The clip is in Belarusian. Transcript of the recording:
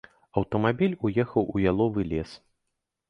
Аўтамабіль уехаў у яловы лес.